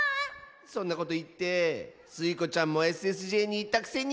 そんなこといってスイ子ちゃんもＳＳＪにいったくせに。